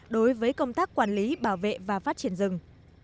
đối với công tác quản lý bảo vệ và phát triển rừng